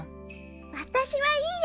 私はいいよ。